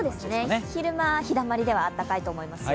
昼間、日だまりではあったかいと思いますよ。